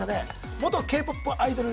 「元Ｋ−ＰＯＰアイドル練習生」。